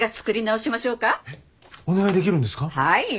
はい。